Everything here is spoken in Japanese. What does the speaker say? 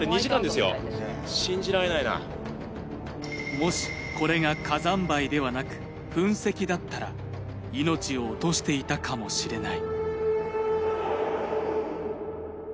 もしこれが火山灰ではなく噴石だったら命を落としていたかもしれない。